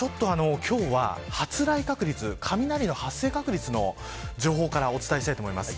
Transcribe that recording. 今日は発雷確率雷の発生確率の情報からお伝えしたいと思います。